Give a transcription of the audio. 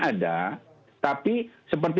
ada tapi seperti